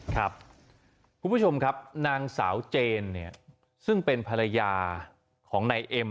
คุณผู้ชมครับนางสาวเจนเนี่ยซึ่งเป็นภรรยาของนายเอ็ม